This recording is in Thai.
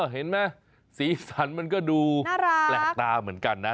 เห็นไหมสีสันมันก็ดูแปลกตาเหมือนกันนะ